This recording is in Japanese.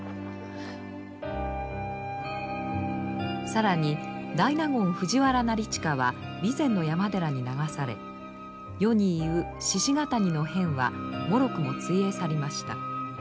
更に大納言藤原成親は備前の山寺に流され世に言う鹿ヶ谷の変はもろくもついえ去りました。